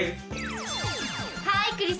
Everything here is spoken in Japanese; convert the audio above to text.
ハーイクリス！